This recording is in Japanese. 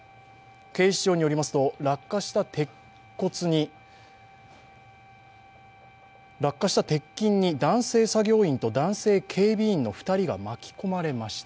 警視庁によりますと、落下した鉄筋に男性作業員と男性警備員の２人が巻き込まれました。